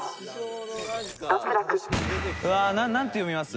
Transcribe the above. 「うわなんて読みます？